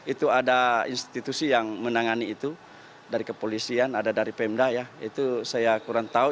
itu ada institusi yang menangani itu dari kepolisian ada dari pemda ya itu saya kurang tahu